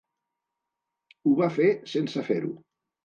Ho va fer sense fer-ho.